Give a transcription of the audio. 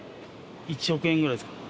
１億円ぐらいですかね。